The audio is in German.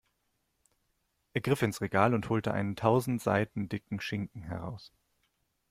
Er griff ins Regal und holte einen tausend Seiten dicken Schinken heraus.